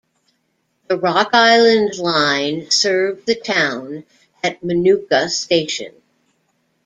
The Rock Island Line served the town at Minooka Station.